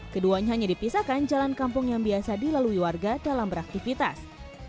keduanya hanya dipisahkan jalan kampung yang biasa dilalui warga dalam beraktivitas